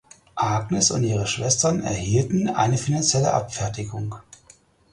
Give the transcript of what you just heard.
Agnes und ihre Schwestern erhielten eine finanzielle Abfertigung.